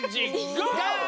ゴー！